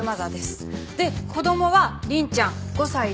で子供は凛ちゃん５歳で。